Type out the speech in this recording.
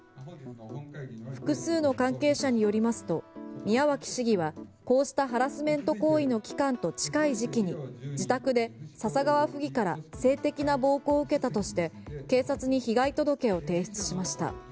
複数の関係者によりますと宮脇市議はこうしたハラスメント行為の期間と近い時期に自宅で笹川府議から性的な暴行を受けたとして警察に被害届を提出しました。